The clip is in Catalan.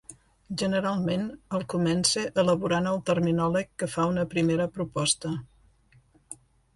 Generalment, el comença elaborant el terminòleg que fa una primera proposta.